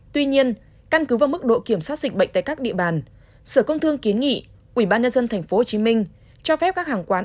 cụ thể sở công thương trình và xin ý kiến ubnd tp hcm cho phép các hàng quán